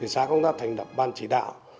xã công tác thành đập ban chỉ đạo